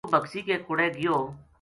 یوہ بکسی کے کوڑے گیو